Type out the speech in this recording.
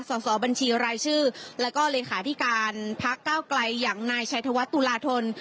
สอบบัญชีรายชื่อแล้วก็เลขาธิการพักเก้าไกลอย่างนายชัยธวัฒนตุลาธน